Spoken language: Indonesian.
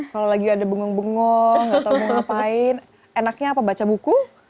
kalau lagi ada bengong bengong atau mau ngapain enaknya apa baca buku